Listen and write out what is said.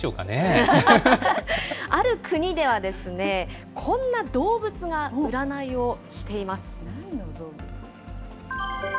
ある国では、こんな動物が占いをしています。